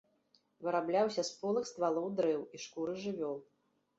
Вырабляўся з полых ствалоў дрэў і шкуры жывёл.